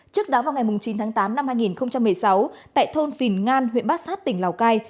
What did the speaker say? trước đó vào ngày chín tháng tám năm hai nghìn một mươi sáu tại thôn phìn ngan huyện bát sát tỉnh lào cai